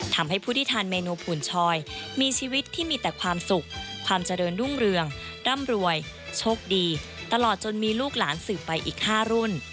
ทำให้ผู้ที่ทานเมนูผุญชอยมีชีวิตที่มีแต่ความสุขความเจริญรุ่งเรืองร่ำรวยโชคดีตลอดจนมีลูกหลานสืบไปอีก๕รุ่น